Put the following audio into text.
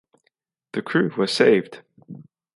The crew were saved.